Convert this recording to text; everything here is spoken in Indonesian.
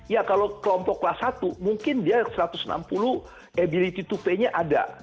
ya kalau kelompok kelas satu mungkin dia satu ratus enam puluh ability to pay nya ada